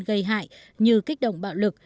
gây hại như kích động bạo lực